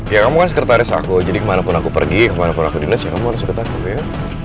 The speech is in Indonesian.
ya kamu kan sekretaris aku jadi kemana pun aku pergi kemana pun aku dinas ya kamu harus sekretaris aku ya